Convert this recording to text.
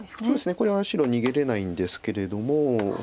これは白逃げれないんですけれども。